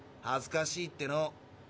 はずかしいっての。